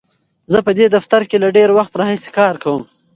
زه په دې دفتر کې له ډېر وخت راهیسې کار کوم.